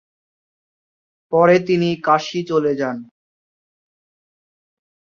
পরে তিনি কাশী চলে যান।